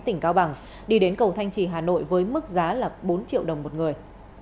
tỉnh cao bằng đi đến cầu thanh trì hà nội với mức giá là bốn triệu đồng một người